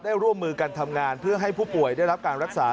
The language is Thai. ร่วมมือกันทำงานเพื่อให้ผู้ป่วยได้รับการรักษา